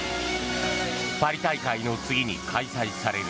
パリ大会の次に開催される